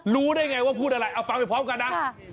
รู้ได้ไงว่าพูดอะไรเอาฟังไปพร้อมกันนะ